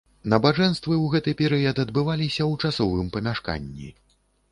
Набажэнствы ў гэты перыяд адбываліся ў часовым памяшканні.